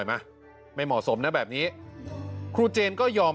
ไม่เหมาะสมนะบางอย่างนี้